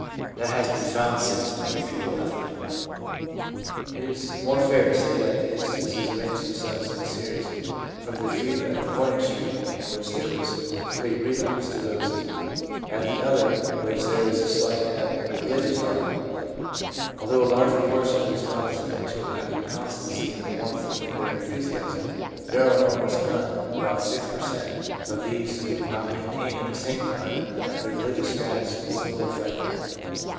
That has been found since to be a futile effort. It is more fair to say that the instances arrange themselves in a series from the few at the one extreme in which there was complete relapse to those, at the other, in which there was a slight ebb of religious ardour. Although a large proportion of the respondents admit a lack of constancy in the warmth of their enthusiasm, there are almost none (about 6 per cent.) of these who do not maintain at the same time that their religious status was little affected.